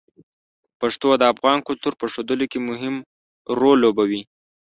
پښتو د افغان کلتور په ښودلو کې مهم رول لوبوي.